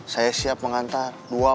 saya siap mengantar